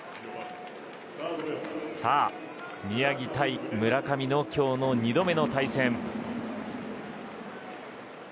さあ宮城対村上の今日の２度目の対戦。